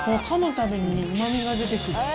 たびにうまみが出てくる。